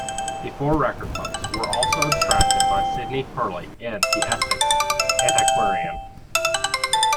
These four record books were also abstracted by Sidney Perley in "The Essex Antiquarian".